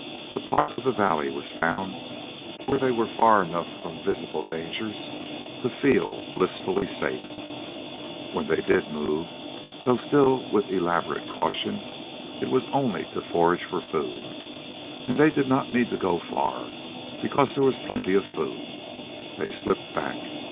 A part of the valley was found where they were far enough from visible dangers to feel blissfully safe. When they did move, though still with elaborate caution, it was only to forage for food. And they did not need to go far because there was plenty of food. They slipped back.